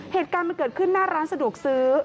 เหตุการณ์มันเกิดขึ้นหน้าร้านสะดวกซื้อ